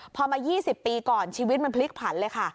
พอมา๒๐ปีก่อนชีวิตมันพลิกผันเลยค่ะ